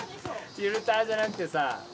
フィルターじゃなくてさ。